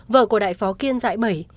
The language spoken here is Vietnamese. vợ của đại phó kiên dãi bẩy